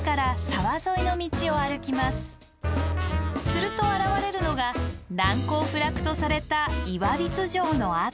すると現れるのが難攻不落とされた岩櫃城の跡。